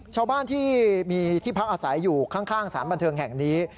ชาวบ้านที่มีที่พักอาศัยอยู่ข้างสารบันเทิงแห่งนี้